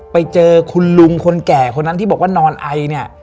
ไปเจอคุณลุงคนแก่คนนั้นที่บอกว่านอนไอเนี่ย